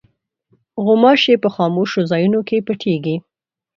غوماشې په خاموشو ځایونو کې پټېږي.